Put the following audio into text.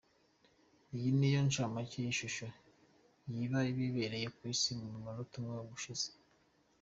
Iyi niyo nshamake y’ishusho y’ibiba bibereye ku isi mu munota umwe ushize.